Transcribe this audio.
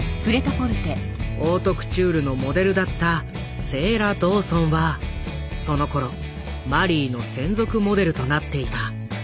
オートクチュールのモデルだったセーラ・ドーソンはそのころマリーの専属モデルとなっていた。